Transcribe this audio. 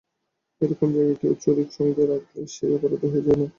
এরকম জায়গায় কেউ ছুরি সঙ্গে রাখলেই সে অপরাধী হয়ে যায় না।